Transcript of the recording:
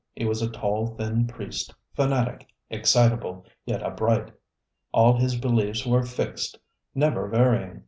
He was a tall, thin priest, fanatic, excitable, yet upright. All his beliefs were fixed, never varying.